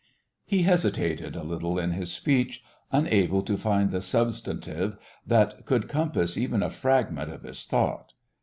He hesitated a little in his speech, unable to find the substantive that could compass even a fragment of his thought.